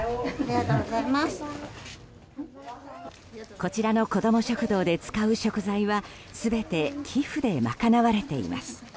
こちらのこども食堂で使う食材は全て寄付で賄われています。